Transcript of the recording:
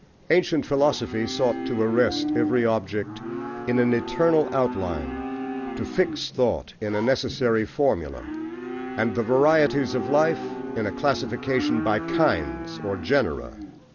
Ancient philosophy sought to arrest every object in an eternal outline, to fix thought in a necessary formula, and the varieties of life in a classification by "kinds," or genera.